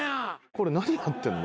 これ何やってんの？